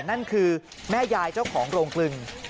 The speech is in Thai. นั่นคือแม่ยายเจ้าของโรงกลึง